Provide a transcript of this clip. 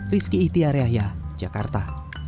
rizky itiariah yaakarta